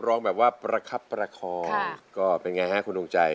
ร้องแบบว่าประคับประคองก็เป็นไงฮะคุณดวงใจ